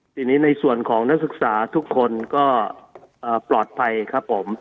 ทีนี้ในส่วนของนักศึกษาทุกคนก็ปลอดภัยครับผม